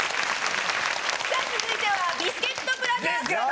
さあ続いてはビスケットブラザーズさんです！